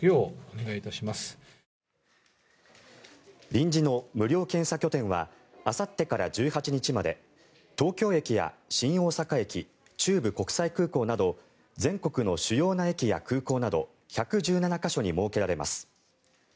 臨時の無料検査拠点はあさってから１８日まで東京駅や新大阪駅中部国際空港など全国の主要な駅や空港など１１７か所に設けられます。